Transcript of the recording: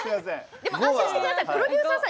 安心してくださいプロデューサーさん